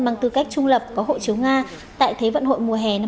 bằng tư cách trung lập có hộ chiếu nga tại thế vận hội mùa hè năm hai nghìn hai mươi